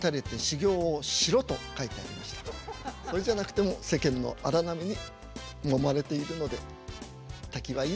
それじゃなくても世間の荒波にもまれているので滝はいいでしょうかね？